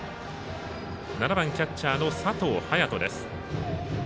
７番、キャッチャーの佐藤颯人です。